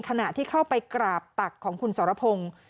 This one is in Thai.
ขณะที่เข้าไปกราบตักของคุณสรพงศ์